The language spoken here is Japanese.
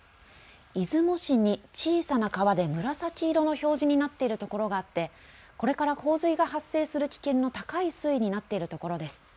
出雲市に小さな川で紫色の表示になっているところがあってこれから洪水が発生する危険の高い水位になっているところです。